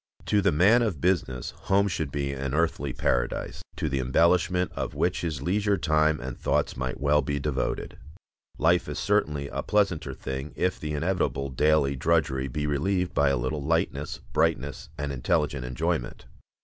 To the man of business home should be an earthly paradise, to the embellishment of which his leisure time and thoughts might well be devoted. Life is certainly a pleasanter thing if the inevitable daily drudgery be relieved by a little lightness, brightness, and intelligent enjoyment.